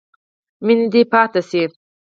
مینه دې پاتې شي.